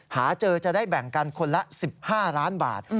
หาเจอจะได้แบ่งกันคนละ๑๕ล้านบาท